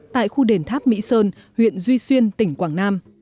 tại khu đền tháp mỹ sơn huyện duy xuyên tỉnh quảng nam